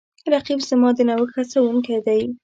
رقیب زما د نوښت هڅونکی دی